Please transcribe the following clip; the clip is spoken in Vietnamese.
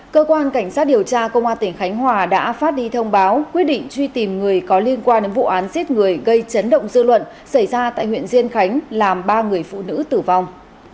cơ quan cảnh sát điều tra công an tỉnh khánh hòa đã phát đi thông báo quyết định truy tìm người có liên quan đến vụ án giết người gây chấn động dư luận xảy ra tại huyện diên khánh làm ba người phụ nữ tử vong